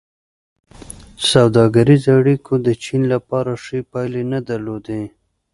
سوداګریزو اړیکو د چین لپاره ښې پایلې نه درلودې.